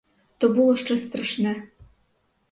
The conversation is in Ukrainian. То було щось страшне.